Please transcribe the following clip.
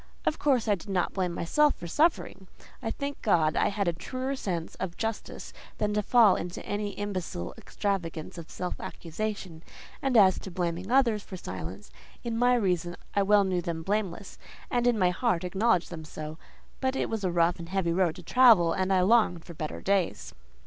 Of course I did not blame myself for suffering: I thank God I had a truer sense of justice than to fall into any imbecile extravagance of self accusation; and as to blaming others for silence, in my reason I well knew them blameless, and in my heart acknowledged them so: but it was a rough and heavy road to travel, and I longed for better days.